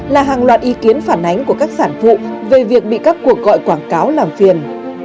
là hàng loạt ý kiến phản ánh của các sản phụ về việc bị các cuộc gọi quảng cáo làm phiền